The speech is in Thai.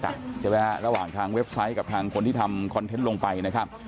ใช่ไหมฮะระหว่างทางเว็บไซต์กับทางคนที่ทำคอนเทนต์ลงไปนะครับ